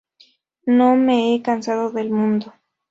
No me he cansado del mundo.